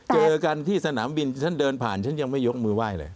เจอกันที่สนามบินฉันเดินผ่านฉันยังไม่ยกมือไหว้เลย